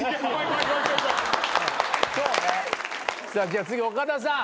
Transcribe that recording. じゃあ次岡田さん。